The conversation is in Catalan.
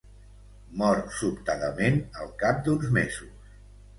Mor sobtadament al cap d'uns mesos.